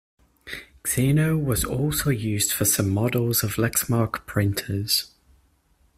Xinu was also used for some models of Lexmark printers.